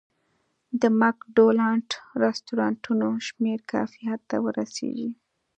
د مک ډونالډ رستورانتونو شمېر کافي حد ته ورسېږي.